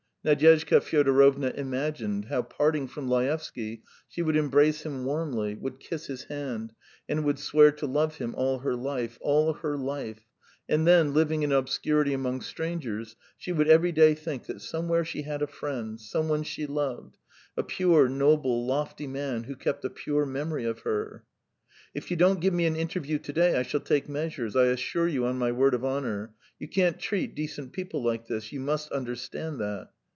Nadyezhda Fyodorovna imagined how, parting from Laevsky, she would embrace him warmly, would kiss his hand, and would swear to love him all her life, all her life, and then, living in obscurity among strangers, she would every day think that somewhere she had a friend, some one she loved a pure, noble, lofty man who kept a pure memory of her. "If you don't give me an interview to day, I shall take measures, I assure you on my word of honour. You can't treat decent people like this; you must understand that."